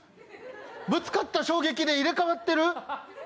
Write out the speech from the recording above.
ぶつかった衝撃で入れ替わってる。